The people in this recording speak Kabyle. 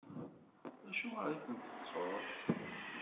Acuɣeṛ i ten-tettuḍ?